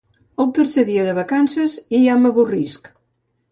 El tercer dia de vacances i ja m'avorrisc.